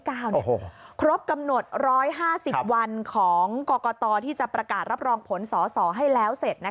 ครบกำหนด๑๕๐วันของกรกตที่จะประกาศรับรองผลสอสอให้แล้วเสร็จ